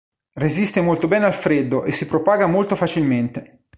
Resiste molto bene al freddo e si propaga molto facilmente.